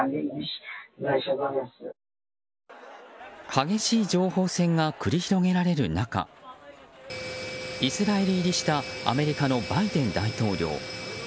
激しい情報戦が繰り広げられる中イスラエル入りしたアメリカのバイデン大統領。